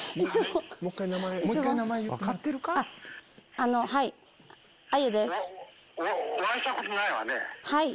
あのはい。